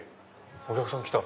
お客さん来た！